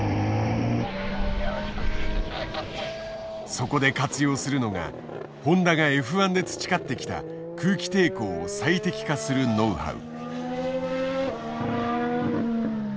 そこで活用するのがホンダがＦ１で培ってきた空気抵抗を最適化するノウハウ。